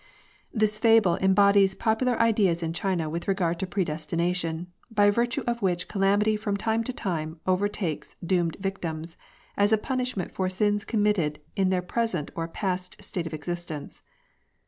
This fable embodies popular ideas in China with regard to predestination, by virtue of which calamity from time to time over takes doomed victims, as a punishment for sins com mitted in their present or a past state of existence.